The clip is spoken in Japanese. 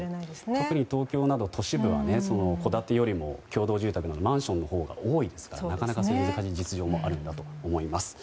特に東京など都市部は戸建てよりもマンションのほうが多いですから難しい実情もあるんだと思います。